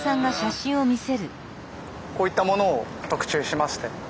こういったものを特注しまして。